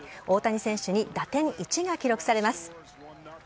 大谷選手に打点１が記録されます。